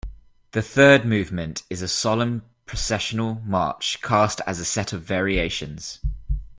The third movement is a solemn processional march cast as a set of variations.